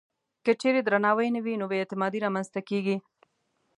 که چېرې درناوی نه وي، نو بې اعتمادي رامنځته کېږي.